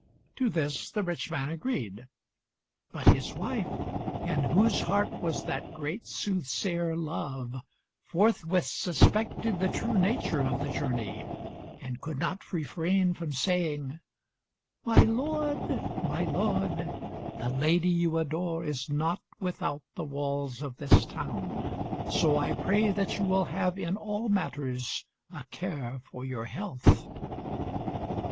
To this the rich man agreed; but his wife, in whose heart was that great soothsayer, Love, forthwith suspected the true nature of the journey, and could not refrain from saying "My lord, my lord, the Lady you adore is not without the walls of this town, so I pray that you will have in all matters a care for your health."